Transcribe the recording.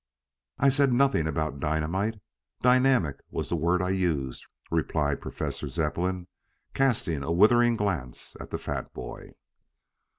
"I said nothing about dynamite. Dynamic was the word I used," replied Professor Zepplin, casting a withering glance at the fat boy.